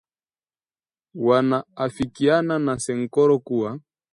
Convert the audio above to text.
wanaafikiana na Senkoro kuwa